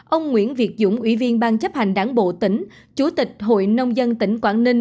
ông nguyễn việt dũng ủy viên ban chấp hành đảng bộ tỉnh chủ tịch hội nông dân tỉnh quảng ninh